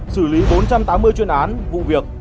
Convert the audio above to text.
xử lý bốn trăm tám mươi chuyên án vụ việc